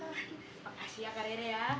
makasih ya kak rere ya